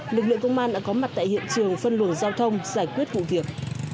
lực lượng công an đã có mặt tại hiện trường phân luồng giao thông giải quyết vụ việc